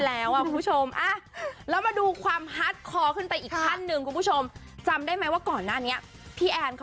แล้วมาดูความฮาร์ทคอ